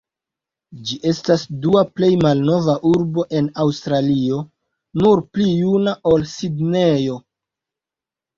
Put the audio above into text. Ĝi estas dua plej malnova urbo en Aŭstralio, nur pli juna ol Sidnejo.